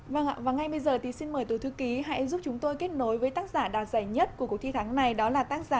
vâng ạ và ngay bây giờ thì xin mời tổ thư ký hãy giúp chúng tôi kết nối với tác giả đoạt giải nhất của cuộc thi tháng này đó là tác giả